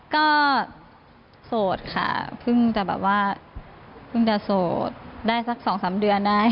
ก็โสดค่ะเพิ่งจะแบบว่าเพิ่งจะโสดได้สัก๒๓เดือนได้